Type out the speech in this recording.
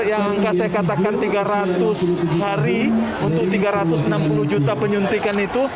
yang angka saya katakan tiga ratus hari untuk tiga ratus enam puluh juta penyuntikan itu